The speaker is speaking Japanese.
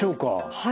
はい。